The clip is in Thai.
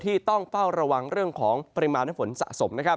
ที่ต้องเฝ้าระวังเรื่องของปริมาณน้ำฝนสะสมนะครับ